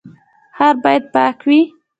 ښار باید پاک وي